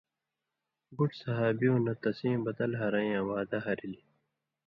بُٹ اصحابوں نہ تسیں بدل ہرَیں یاں وعدہ ہَرِلیۡ؛